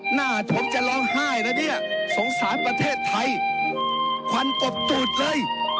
หน้าผมจะร้องไห้นะเนี่ยสงสารประเทศไทยควันกบจูดเลย